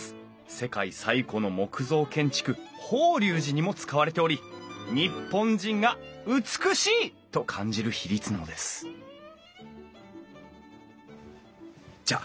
世界最古の木造建築法隆寺にも使われており日本人が美しいと感じる比率なのですじゃあ